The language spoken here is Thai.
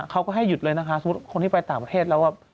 เขาก็ให้หยุดเลยนะคะสมมุติคนที่ไปต่างประเทศแล้วแบบ